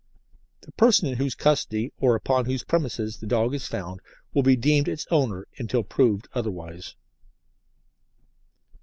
The person in whose custody or upon whose premises the dog is found will be deemed its owner until proved otherwise.